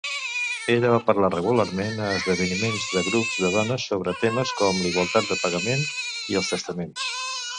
Ella va parlar regularment a esdeveniments de grups de dones sobre temes com l'igualtat de pagament i els testaments.